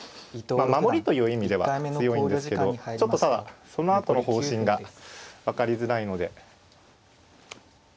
守りという意味では強いんですけどちょっとただそのあとの方針が分かりづらいので。